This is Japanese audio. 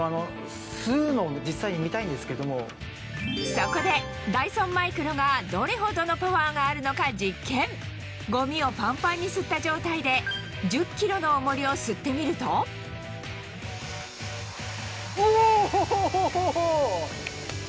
そこでダイソンマイクロがどれほどのパワーがあるのか実験ゴミをパンパンに吸った状態で１０ｋｇの重りを吸ってみるとおホホホ！